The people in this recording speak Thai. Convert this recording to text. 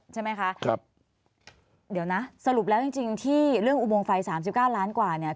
ใช่ไหมคะเดี๋ยวนะสรุปแล้วจริงที่เรื่องอุโมงไฟ๓๙ล้านกว่าเนี่ย